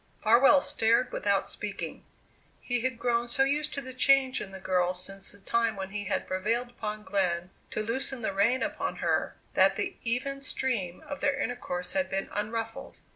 Farwell stared without speaking. He had grown so used to the change in the girl since the time when he had prevailed upon Glenn to loosen the rein upon her, that the even stream of their intercourse had been unruffled.